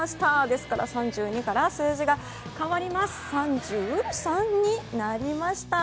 ですから、３２から数字が変わり３３になりました。